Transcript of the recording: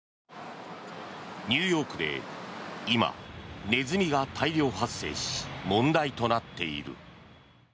ニューヨークで今ネズミが大量発生し問題となっている。